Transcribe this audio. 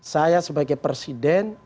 saya sebagai presiden